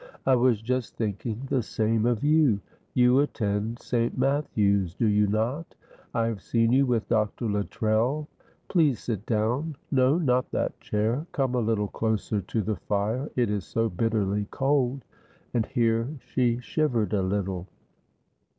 "I was just thinking the same of you. You attend St. Matthew's, do you not? I have seen you with Dr. Luttrell. Please sit down no, not that chair. Come a little closer to the fire, it is so bitterly cold," and here she shivered a little.